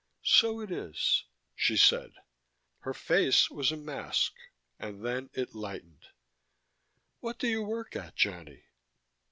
"So it is," she said. Her face was a mask: and then it lightened. "What do you work at, Johnny?"